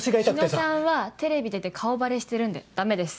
日野さんはテレビ出て顔バレしてるんでダメです。